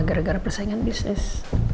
gara gara persaingan bisnis